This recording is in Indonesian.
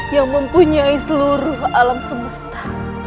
yang mempunyai seluruh alam semesta